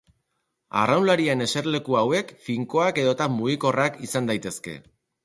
Arraunlarien eserleku hauek finkoak edota mugikorrak izan daitezke.